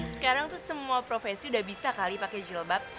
sekarang tuh semua profesi udah bisa kali pakai jilbab